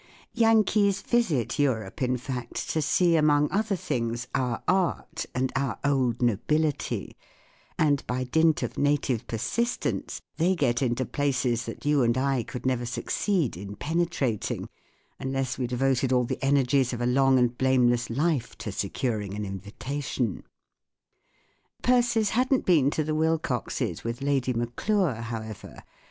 Yankees visit Europe, in fact, to see, among other things, our art and our old nobility ; and by dint of native persist¬ ence they get into places that you and I could never succeed in penetrating, unless we devoted all the energies of a long and blameless life to securing an invitation* Persis hadn't been to the Wilcoxes with Ijxdy Madure, however.